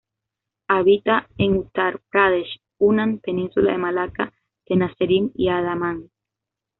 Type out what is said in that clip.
Habita en Uttar Pradesh, Hunan, Península de Malaca, Tenasserim y Andaman.